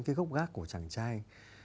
cái gốc gác của chàng trai